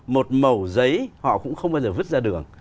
một mẩu giấy họ cũng không bao giờ vứt ra đường